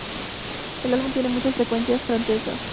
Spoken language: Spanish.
El álbum tiene muchas referencias francesas.